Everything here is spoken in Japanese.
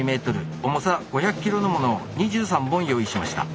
重さ５００ｋｇのものを２３本用意しました。